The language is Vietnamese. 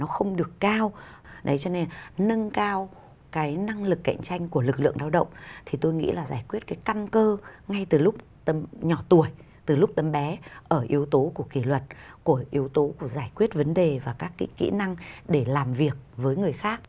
nó không được cao cho nên nâng cao cái năng lực cạnh tranh của lực lượng lao động thì tôi nghĩ là giải quyết cái căn cơ ngay từ lúc nhỏ tuổi từ lúc tấm bé ở yếu tố của kỷ luật của yếu tố của giải quyết vấn đề và các cái kỹ năng để làm việc với người khác